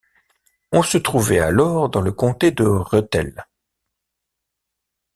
On se trouvait alors dans le comté de Rethel.